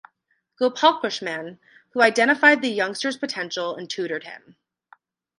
Gopalkrishnan, who identified the youngster's potential and tutored him.